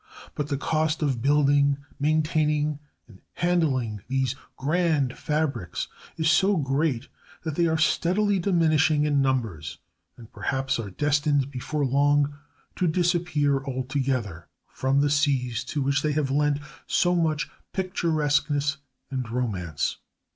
But the cost of building, maintaining, and handling these grand fabrics is so great that they are steadily diminishing in numbers, and perhaps are destined before long to disappear altogether from the seas to which they have lent so much picturesqueness and romance.